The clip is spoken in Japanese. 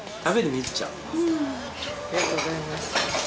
ありがとうございます。